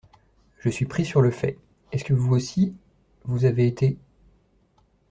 Je suis pris sur le fait. Est-ce que vous aussi vous avez été…